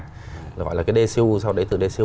gọi là cái dcu sau đấy từ dcu